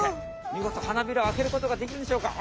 みごと花びらをあけることができるんでしょうか？